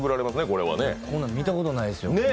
こんなん見たことないですよ。